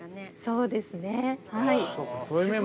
◆そうですね、はい。